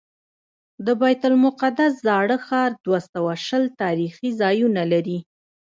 د بیت المقدس زاړه ښار دوه سوه شل تاریخي ځایونه لري.